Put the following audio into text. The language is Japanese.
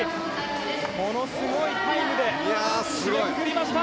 ものすごいタイムで締めくくりました。